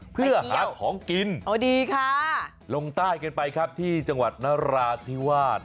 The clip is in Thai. เพื่อหาของกินโอ้ดีค่ะลงใต้กันไปครับที่จังหวัดนราธิวาส